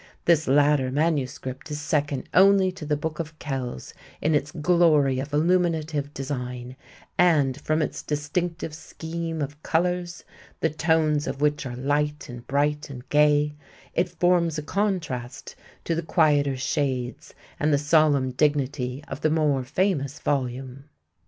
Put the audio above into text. This latter manuscript is second only to the Book of Kells in its glory of illuminative design, and, from its distinctive scheme of colors, the tones of which are light and bright and gay, it forms a contrast to the quieter shades and the solemn dignity of the more famous volume.